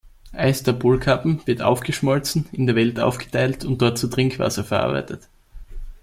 Eis der Polkappen wird aufgeschmolzen, in der Welt aufgeteilt und dort zu Trinkwasser verarbeitet.